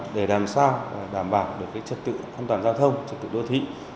để làm sao đảm bảo được trực tự an toàn giao thông trực tự đô thị